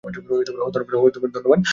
হো, ধন্যবাদ, জনাব।